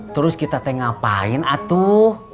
terus kita tengah ngapain atuh